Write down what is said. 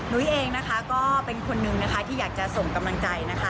เองนะคะก็เป็นคนหนึ่งนะคะที่อยากจะส่งกำลังใจนะคะ